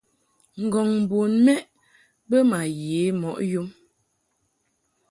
Ngɔŋ bun mɛʼ bə ma ye mɔʼ yum.